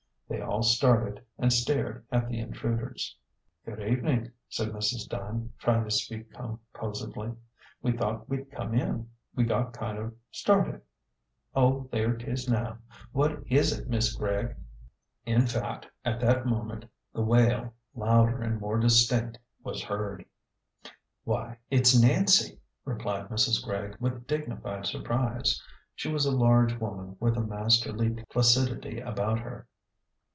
They all started, and stared at the intruders. " Good evenin'," said Mrs. Dunn, trying to speak com posedly. " We thought we'd come in ; we got kind of started. Oh, there 'tis now ! What is it, Mis' Gregg ?" In fact, at that moment, the wail, louder and more dis tinct, was heard. "Why, it's Nancy," replied Mrs. Gregg, with dignified surprise. She was a large woman, with a masterly placid^ ity about her.